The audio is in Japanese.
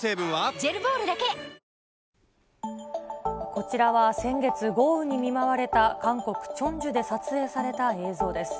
こちらは先月、豪雨に見舞われた韓国・チョンジュで撮影された映像です。